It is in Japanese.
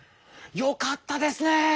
よかったですね！